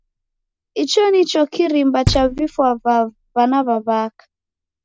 Icho nicho kirimba cha vifwa va w'ana w'a'waka.